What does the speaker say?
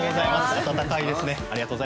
温かいですね。